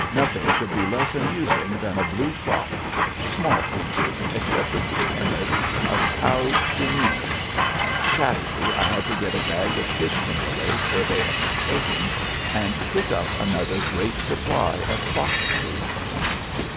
Nothing could be less amusing than a blue fox, small creatures, excessively timid, of cowed demeanor. Saturday I had to get a bag of fish from the lake where they had been soaking and cook up another great supply of fox food.